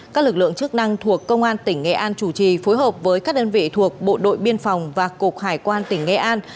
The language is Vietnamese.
các lực lượng chức năng thuộc công an tỉnh nghệ an chủ trì phối hợp với các đơn vị thuộc bộ đội biên phòng và cục hải quan tỉnh nghệ an